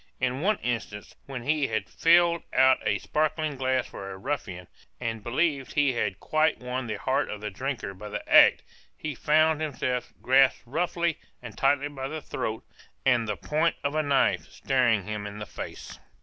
In one instance, when he had filled out a sparkling glass for a ruffian, and believed he had quite won the heart of the drinker by the act, he found himself grasped roughly and tightly by the throat, and the point of a knife staring him in the face.